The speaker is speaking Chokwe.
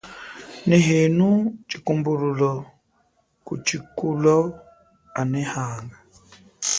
Nehenu chikumbululo ku chikulo anehanga.